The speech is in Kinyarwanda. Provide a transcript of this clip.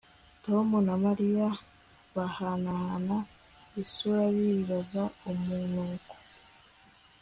tom na mariya bahanahana isura, bibaza umunuko